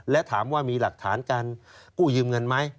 และถามว่ามีหลักฐานการกู้ยืมเงินไหม